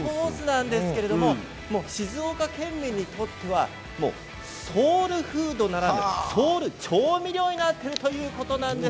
静岡県民にとってはソウルフードならぬソウル調味料となっているそうです。